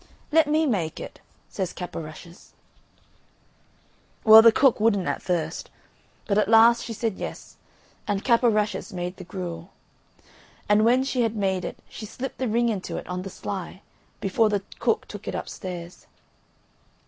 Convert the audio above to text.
"Let me make it," says Cap o' Rushes. Well, the cook wouldn't at first, but at last she said yes, and Cap o' Rushes made the gruel. And when she had made it she slipped the ring into it on the sly before the cook took it upstairs.